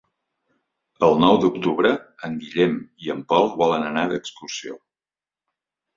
El nou d'octubre en Guillem i en Pol volen anar d'excursió.